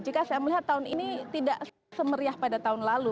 jika saya melihat tahun ini tidak semeriah pada tahun lalu